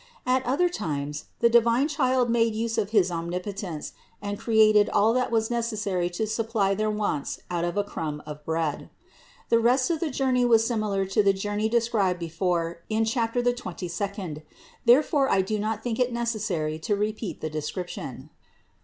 At other times the divine Child made use of his Omnipotence and created all that was necessary to supply their wants out of a crumb of bread. The rest of the journey was similar to the journey described before in chapter the twenty second; therefore I do not think it necessary to repeat the description.